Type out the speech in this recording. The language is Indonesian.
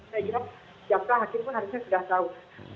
saya bilang jawabannya akhirnya harusnya sudah tahu